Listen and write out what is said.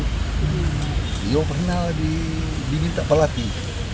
tio pernah diminta pelatih